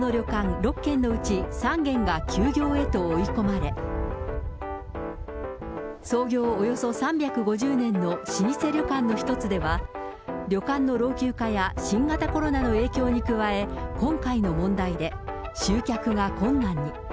６軒のうち、３軒が休業へと追い込まれ、創業およそ３５０年の老舗旅館の１つでは、旅館の老朽化や新型コロナの影響に加え、今回の問題で集客が困難に。